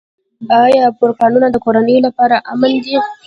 آیا پارکونه د کورنیو لپاره امن دي؟